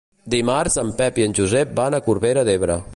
Dimarts en Pep i en Josep van a Corbera d'Ebre.